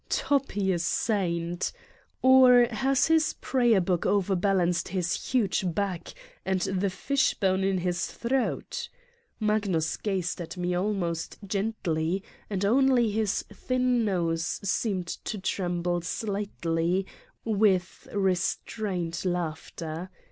Toppi a saint! Or has his prayer book over balanced his huge back and the fishbone in his throat. Magnus gazed at me almost gently and only his thin nose seemed to tremble slightly with restrained laughter.